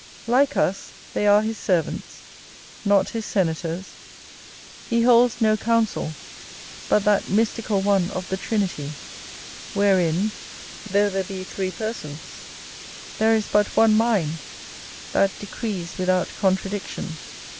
Like us, they are his servants, not his senators; he holds no counsel, but that mystical one of the Trinity, wherein, though there be three persons, there is but one mind that decrees without contradiction.